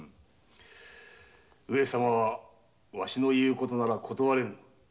上様はわしの言うことなら断れぬ。